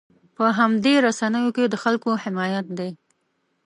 په همدې رسنیو کې د خلکو حمایت دی.